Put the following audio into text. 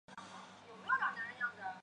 梅罗内。